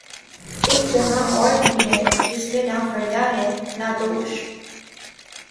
اک جہاں اور بھی ہے جس میں نہ فردا ہے نہ دوش